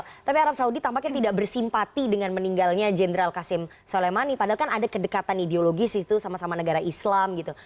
dan israel tapi arab saudi tampaknya tidak bersimpati dengan meninggalnya jenderal qasem soleimani padahal kan ada kedekatan ideologis itu sama sama negara islam gitu